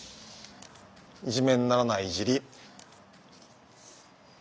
「いじめ」にならない「いじり」。